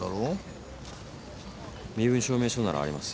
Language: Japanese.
身分証明書ならあります。